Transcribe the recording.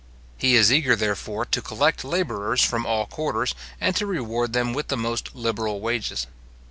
He is eager, therefore, to collect labourers from all quarters, and to reward them with the most liberal wages.